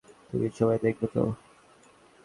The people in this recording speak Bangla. তুমি সময় দেখবে ত?